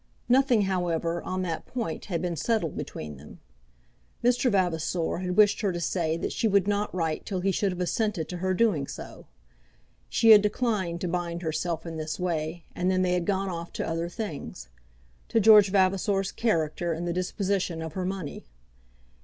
Nothing, however, on that point had been settled between them. Mr. Vavasor had wished her to say that she would not write till he should have assented to her doing so. She had declined to bind herself in this way, and then they had gone off to other things; to George Vavasor's character and the disposition of her money.